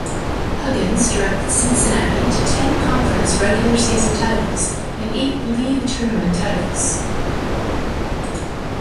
Huggins directed Cincinnati to ten conference regular-season titles and eight league tournament titles.